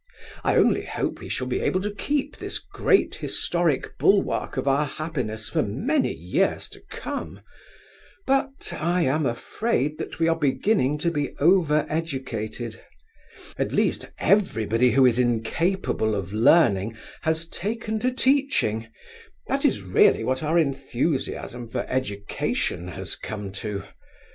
I only hope we shall be able to keep this great historic bulwark of our happiness for many years to come; but I am afraid that we are beginning to be over educated; at least everybody who is incapable of learning has taken to teaching—that is really what our enthusiasm for education has come to.